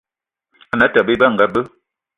Ane Atёbё Ebe anga be